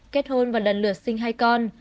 kết hôn và lần lượt sinh hai con